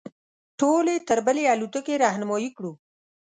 ټول یې تر بلې الوتکې رهنمایي کړو.